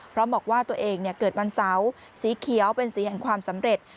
พร้อมบอกว่าตัวเองเกิดวันเสาร์สีเขียวเป็นสีแห่งความสำเร็จ